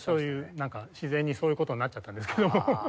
なんか自然にそういう事になっちゃったんですけども。